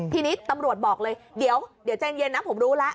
ทีนี้ตำรวจบอกเลยเดี๋ยวใจเย็นนะผมรู้แล้ว